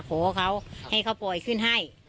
ขอเขาให้เขาปล่อยขึ้นให้